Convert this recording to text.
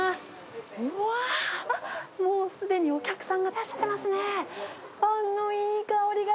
うわ、もうすでにお客さんがいらしてますね。